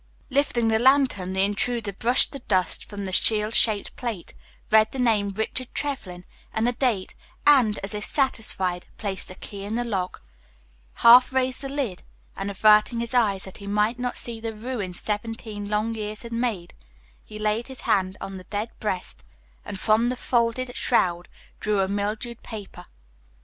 Lifting the lantern, the intruder brushed the dust from the shield shaped plate, read the name RICHARD TREVLYN and a date, and, as if satisfied, placed a key in the lock, half raised the lid, and, averting his head that he might not see the ruin seventeen long years had made, he laid his hand on the dead breast and from the folded shroud drew a mildewed paper.